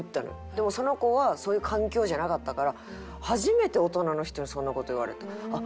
でもその子はそういう環境じゃなかったから初めて大人の人にそんな事言われた。